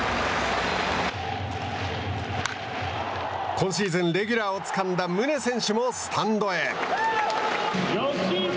今シーズン、レギュラーをつかんだ宗選手もスタンドへ。